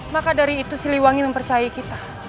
maka dari itu siliwangi mempercayai kita